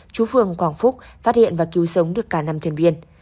chú phường quảng phúc phát hiện và cứu sống được cả năm thuyền viên